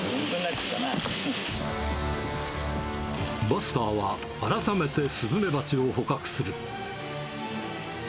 バスターは、改めてスズメバチを捕獲する。